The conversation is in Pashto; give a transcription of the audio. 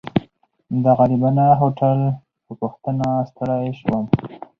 د غريبانه هوټل په پوښتنه ستړی شوم.